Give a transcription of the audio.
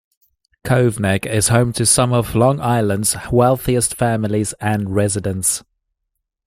Cove Neck is home to some of Long Island's wealthiest families and residents.